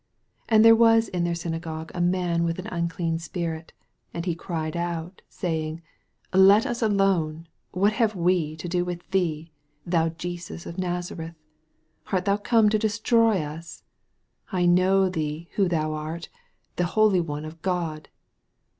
23 And there was in their syna gogue a man with an unclean spirit ; and he cried out, 24 Saying, Let us alone ; what have we to do with thee, thou Jesus of Nazareth ? art thou come to destroy us ? I know thee who thou art, the Holy One of God.